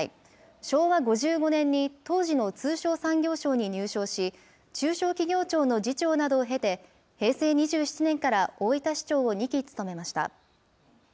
昭和５５年に当時の通商産業省に入省し、中小企業庁の次長などを経て、平成２７年から大分市長を２期務めました。